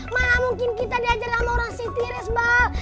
mana mungkin kita diajar sama orang si tires bal